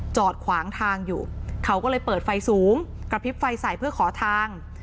จอดขวางทางอยู่เขาก็เลยเปิดไฟสูงกระพริบไฟใส่เพื่อขอทาง